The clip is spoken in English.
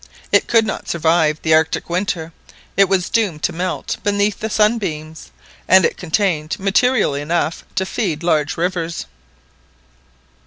It could not survive the Arctic winter, it was doomed to melt beneath the sunbeams, and it contained material enough to feed large rivers.